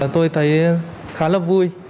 tôi thấy khá là vui